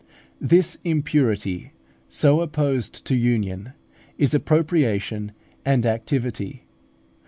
This impurity, so opposed to union, is appropriation and activity.